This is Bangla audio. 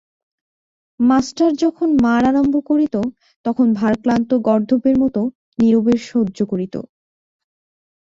মাস্টার যখন মার আরম্ভ করিত তখন ভারক্লান্ত গর্দভের মতো নীরবে সহ্য করিত।